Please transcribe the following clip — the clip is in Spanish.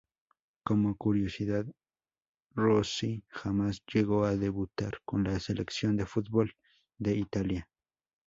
Como curiosidad, Rossi jamás llegó a debutar con la selección de fútbol de Italia.